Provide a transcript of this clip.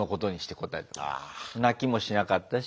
泣きもしなかったし。